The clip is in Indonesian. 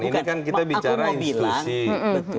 ini kan kita bicara institusi